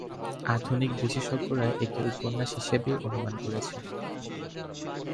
আধুনিক বিশেষজ্ঞরা একে উপন্যাস হিসেবেই অনুমান করেছেন।